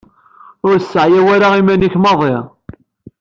Ur sseɛyaw ara iman-ik maḍi.